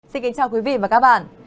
xin kính chào quý vị và các bạn